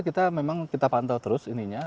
kita memang kita pantau terus ininya